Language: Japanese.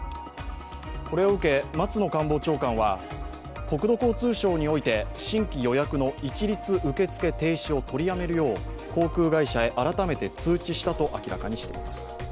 これを受け、松野官房長官は国土交通省において新規予約の一律受付停止を取りやめるよう航空会社へ改めて通知したと明らかにしています。